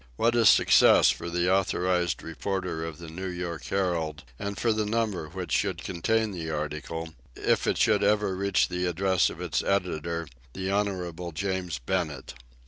What a success for the authorized reporter of the New York Herald, and for the number which should contain the article, if it should ever reach the address of its editor, the Honorable James Bennett!